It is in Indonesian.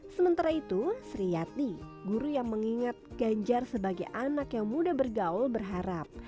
sementara itu sri yati guru yang mengingat ganjar sebagai anak yang mudah bergaul berharap